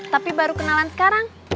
tapi baru kenalan sekarang